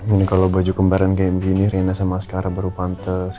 ini kalau baju kembaran kayak gini rina sama askara baru pantes